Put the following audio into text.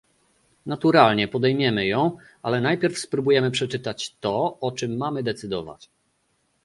Naturalnie podejmiemy ją, ale najpierw spróbujemy przeczytać to, o czym mamy decydować